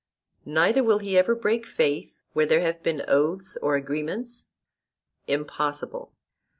Neither will he ever break faith where there have been oaths or agreements? Impossible.